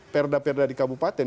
perda perda di kabupaten